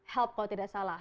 help kalau tidak salah